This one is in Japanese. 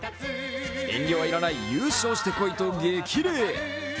遠慮は要らない、優勝してこいと激励。